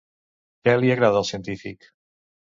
Què li agrada al científic?